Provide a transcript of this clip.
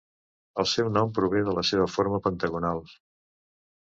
El seu nom prové de la seva forma pentagonal.